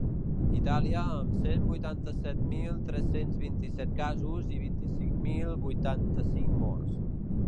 Itàlia, amb cent vuitanta-set mil tres-cents vint-i-set casos i vint-i-cinc mil vuitanta-cinc morts.